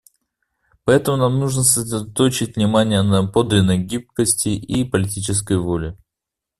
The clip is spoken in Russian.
Поэтому нам нужно сосредоточить внимание на подлинной гибкости и политической воле.